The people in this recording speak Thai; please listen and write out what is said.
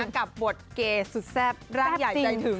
กับบทเกสุดแซ่บร่างใหญ่ใจถึง